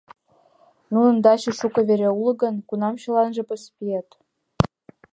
— Нунын дачышт шуко вере уло гын, кунам чыланже поспиет?